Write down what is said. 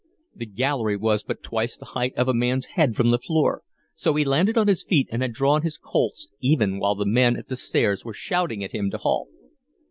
The gallery was but twice the height of a man's head from the floor, so he landed on his feet and had drawn his Colts even while the men at the stairs were shouting at him to halt.